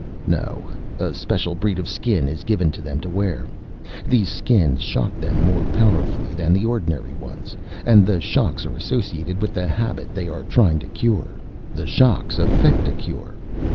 "No. A special breed of Skin is given them to wear. These Skins shock them more powerfully than the ordinary ones, and the shocks are associated with the habit they are trying to cure. The shocks effect a cure.